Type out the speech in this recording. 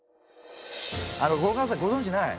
あのこの方ご存じない？